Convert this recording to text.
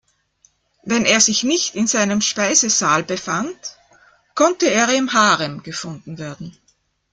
Wenn er sich nicht in seinem Speisesaal befand, konnte er im Harem gefunden werden.